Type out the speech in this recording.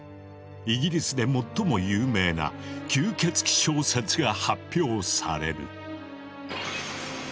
イギリスで最も有名な吸血鬼小説が発表される。